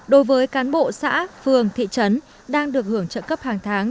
đối với cán bộ xã phường thị trấn đang được hưởng trợ cấp hàng tháng